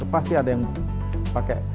pasti ada yang pakai